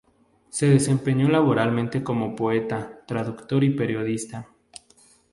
Se desempeñó laboralmente como poeta, traductor y periodista.